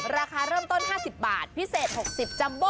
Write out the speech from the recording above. ราคาเริ่มต้น๕๐บาทพิเศษ๖๐จัมโบ